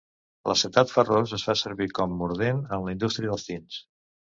L'acetat ferrós es fa servir com mordent en la indústria dels tints.